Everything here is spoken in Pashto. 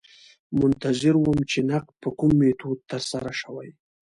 منتظر وم چې نقد په کوم میتود ترسره شوی.